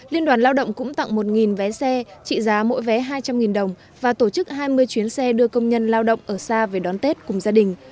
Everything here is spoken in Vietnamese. liên đoàn lao động cũng tặng một vé xe trị giá mỗi vé hai trăm linh đồng và tổ chức hai mươi chuyến xe đưa công nhân lao động ở xa về đón tết cùng gia đình